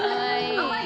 甘い？